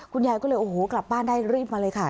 คุณยายก็เลยโอ้โหกลับบ้านได้รีบมาเลยค่ะ